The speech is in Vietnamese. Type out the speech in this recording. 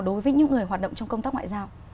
đối với những người hoạt động trong công tác ngoại giao